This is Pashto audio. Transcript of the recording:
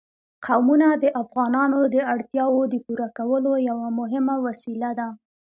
قومونه د افغانانو د اړتیاوو د پوره کولو یوه مهمه وسیله ده.